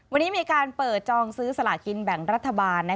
วันนี้มีการเปิดจองซื้อสลากินแบ่งรัฐบาล